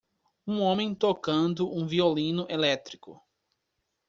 um homem tocando um violino elétrico.